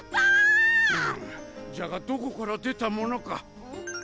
うんじゃがどこから出たものか。